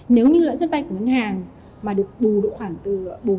nếu như lãi suất vay của ngân hàng mà được bù khoảng từ bốn năm